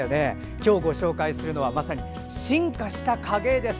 今日ご紹介するのはまさに進化した影絵です。